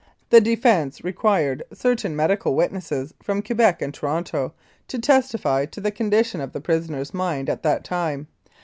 The defence required certain medical witnesses from Quebec and Toronto to testify to the condition of the prisoner's mind at that time.